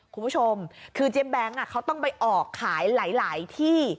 คุณผู้ชมคือเจ๊แบงค์เขาต้องไปออกขายหลายที่